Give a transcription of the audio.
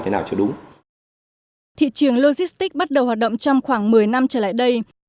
thị trường logistics bắt đầu hoạt động trong khoảng một mươi năm trở lại đây